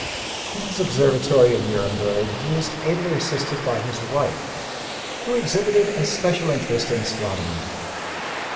In his observatory in Nuremberg he was ably assisted by his wife who exhibited a special interest in astronomy.